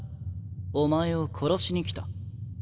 お前を殺しに来た。